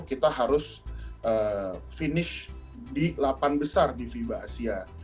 kita harus finish di delapan besar di fiba asia